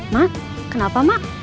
mak kenapa mak